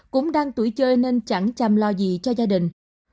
cũng đang tuổi chơi nên chẳng chăm lo gì cho gia đình